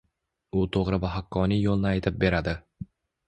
U to‘g‘ri va haqqoniy yo‘lni aytib beradi.